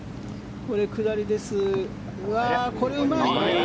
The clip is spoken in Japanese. これ、下りです。